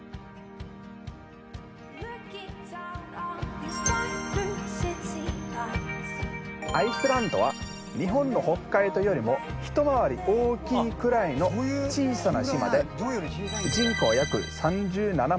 ではまずはアイスランドは日本の北海道よりもひと回り大きいくらいの小さな島で人口は約３７万人です。